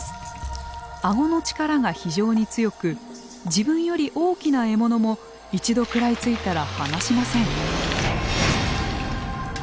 顎の力が非常に強く自分より大きな獲物も一度食らいついたら離しません。